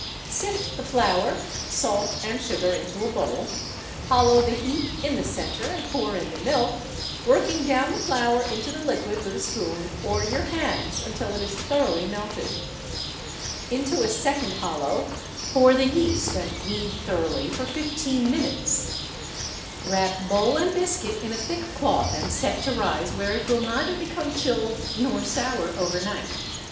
Sift the flour, salt and sugar into a bowl, hollow the heap in the centre and pour in the milk, working down the flour into the liquid with a spoon or your hands until it is thoroughly melted. Into a second hollow pour the yeast and knead thoroughly for fifteen minutes. Wrap bowl and biscuit in a thick cloth and set to rise where it will neither become chilled nor sour over night.